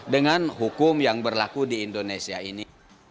dengan hukum yang berlaku di indonesia ini